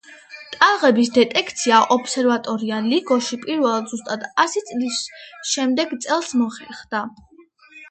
ტალღების დეტექცია ობსერვატორია „ლიგოში“, პირველად ზუსტად ასი წლის შემდეგ, წელს მოხერხდა.